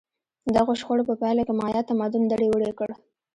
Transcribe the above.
دغو شخړو په پایله کې مایا تمدن دړې وړې کړ